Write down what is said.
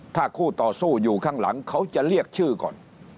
ถ้าคู่ต่อสู้อยู่ข้างหลังเขาจะเรียกชื่อก่อน